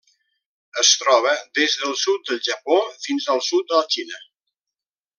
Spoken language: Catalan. Es troba des del sud del Japó fins al sud de la Xina.